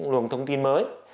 luồng thông tin mới